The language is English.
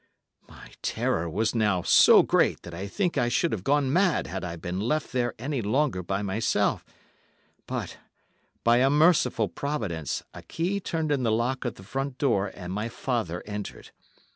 "My terror was now so great that I think I should have gone mad had I been left there any longer by myself; but, by a merciful providence, a key turned in the lock of the front door, and my father entered.